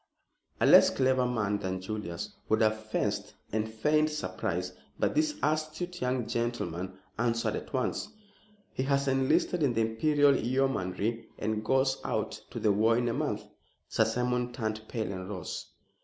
A less clever man than Julius would have fenced and feigned surprise, but this astute young gentleman answered at once. "He has enlisted in the Imperial Yeomanry and goes out to the war in a month." Sir Simon turned pale and rose.